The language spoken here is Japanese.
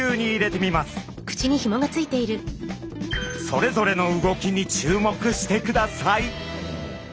それぞれの動きに注目してください。